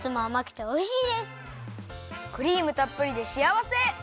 クリームたっぷりでしあわせ！